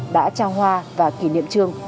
đã trao hoa và kỷ niệm trương